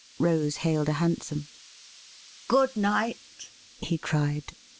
Rose hailed a hansom. ' Good night,' he cried.